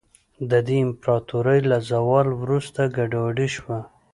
د دې امپراتورۍ له زوال وروسته ګډوډي شوه.